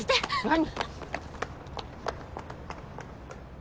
何！？